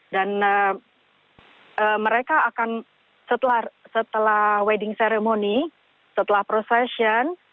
dan mereka akan setelah wedding ceremony setelah procession